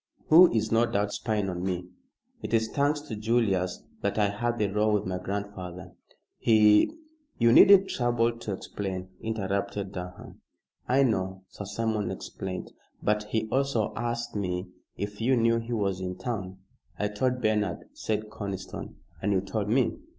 "Who is, no doubt, spying on me. It is thanks to Julius that I had the row with my grandfather. He " "You needn't trouble to explain," interrupted Durham. "I know. Sir Simon explained. But he also asked me if you knew he was in town." "I told Bernard," said Conniston, "and you told me."